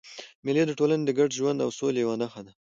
مېلې د ټولني د ګډ ژوند او سولي یوه نخښه ده.